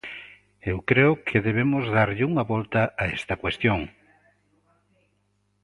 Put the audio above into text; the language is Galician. Eu creo que debemos darlle unha volta a esta cuestión.